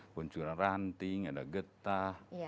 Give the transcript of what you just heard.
pencurian ranting ada getah